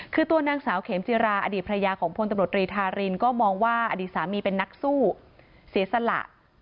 คือตัวนางสาวเขมจิราอดีตภรรยาของพลตำรวจรีธารินก็มองว่าอดีตสามีเป็นนักสู้เสียสละ